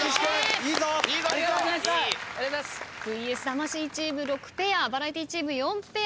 ＶＳ魂チーム６ペアバラエティチーム４ペア。